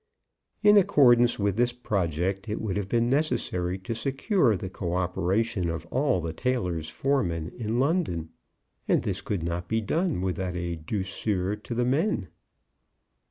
In accordance with this project it would have been necessary to secure the co operation of all the tailors' foremen in London, and this could not be done without a douceur to the men.